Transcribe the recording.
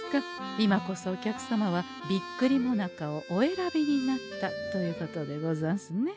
今こそお客様はビッグリもなかをお選びになったということでござんすね。